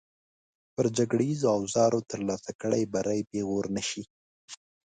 پر جګړیزو اوزارو ترلاسه کړی بری پېغور نه شي.